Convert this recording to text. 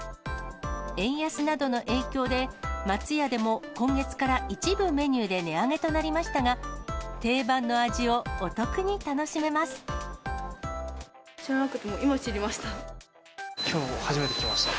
円安などの影響で、松屋でも今月から、一部メニューで値上げとなりましたが、知らなくて、今知りました。